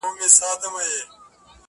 بل به څوك وي زما په شان داسي غښتلى؛